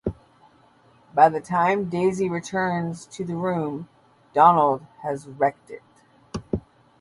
By the time Daisy returns to the room, Donald has wrecked it.